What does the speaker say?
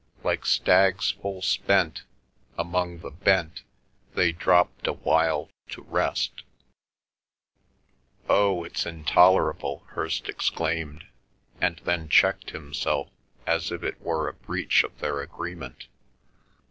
Like stags full spent, among the bent They dropped awhile to rest— "Oh, it's intolerable!" Hirst exclaimed, and then checked himself, as if it were a breach of their agreement.